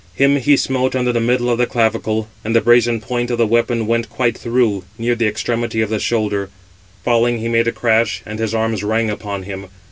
Him he smote under the middle of the clavicle, and the brazen point of the weapon went quite through, near the extremity of the shoulder. Falling, he made a crash, and his arms rang upon him.